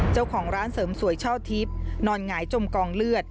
เจ้าของร้านเสริมสวยเช่าทิพย์นอนหงายจมกองเลือด